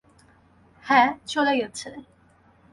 হ্যাঁ, চলে গেছে।